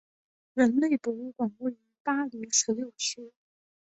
人类博物馆位于巴黎十六区。